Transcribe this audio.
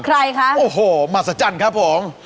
ใครคะโอ้โฮมาสัจจันทร์ครับผม